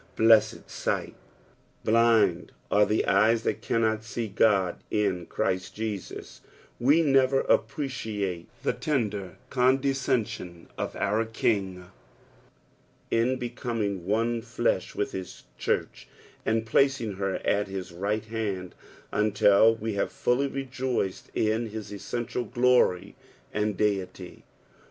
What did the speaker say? Blessed sight ! Blind are the eyes that cannot see Ood in Christ Jesus I We never appreciate the tender cunduscen aioD of our Kin^ in becoming one flesh with his church, and placing her at his right hand, until we have fully rejoiced in his essential glory and deity.